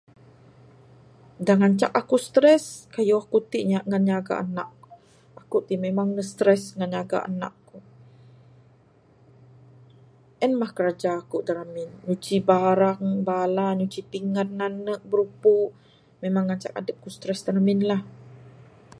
Da ngancak aku stress, kayuh aku ti ngan nyaga anak. Aku ti memang ne stress ngan nyaga anak ku. En mah kiraja aku da ramin, nyuci barang, bala nyuci pinggan, nanek, brupu, memang ngancak adep ku stress da ramin lah.